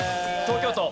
東京都。